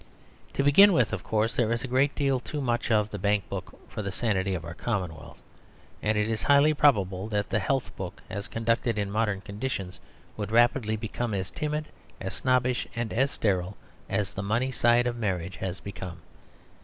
To begin with, of course, there is a great deal too much of the bank book for the sanity of our commonwealth; and it is highly probable that the health book, as conducted in modern conditions, would rapidly become as timid, as snobbish, and as sterile as the money side of marriage has become.